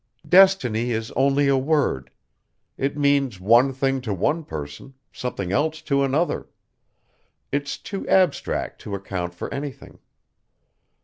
"Destiny is only a word. It means one thing to one person, something else to another. It's too abstract to account for anything.